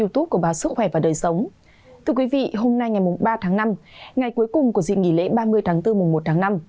thưa quý vị hôm nay ngày ba tháng năm ngày cuối cùng của dịp nghỉ lễ ba mươi tháng bốn mùng một tháng năm